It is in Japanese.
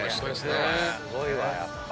すごいわやっぱ。